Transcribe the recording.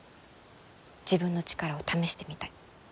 自分の力を試してみたい。